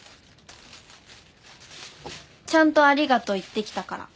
ちゃんとありがとう言ってきたから。